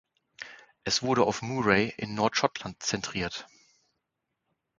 Es wurde auf Moray, in Nordschottland zentriert.